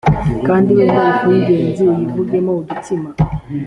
kandi wende ifu y ingezi uyivugemo udutsima